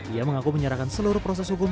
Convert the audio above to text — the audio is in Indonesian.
ia mengaku menyerahkan seluruh proses hukum